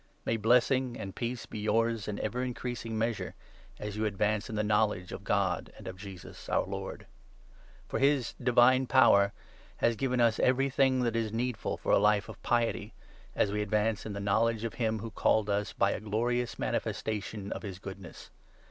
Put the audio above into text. May blessing and peace be yours in ever increasing measure, 2 as you advance in the knowledge of God and of Jesus, our Lord. For his divine power has given us everything 3 Christian that is needful for a life of piety, as we advance Pr'andee8 m the knowledge of him who called us by a Christian glorious manifestation of his goodness.